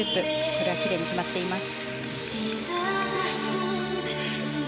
これはきれいに決まっています。